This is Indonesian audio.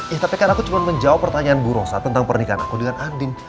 eh tapi kan aku cuma menjawab pertanyaan bu rosa tentang pernikahan aku dengan andin